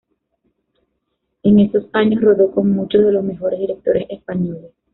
En esos años rodó con muchos de los mejores directores españoles.